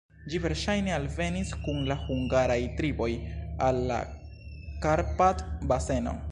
Ĝi verŝajne alvenis kun la hungaraj triboj al la Karpat-baseno.